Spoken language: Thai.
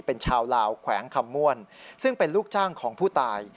เป็นชาวลาวแขวงคำม่วนซึ่งเป็นลูกจ้างของผู้ตาย